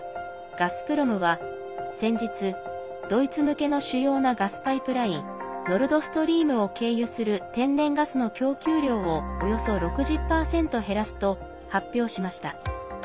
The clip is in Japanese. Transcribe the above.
ガスプロムは、先日ドイツ向けの主要なガスパイプラインノルドストリームを経由する天然ガスの供給量をおよそ６０％減らすと発表しました。